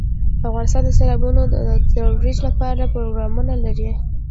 افغانستان د سیلابونه د ترویج لپاره پروګرامونه لري.